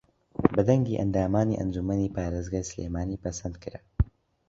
بە دەنگی ئەندامانی ئەنجوومەنی پارێزگای سلێمانی پەسەندکرا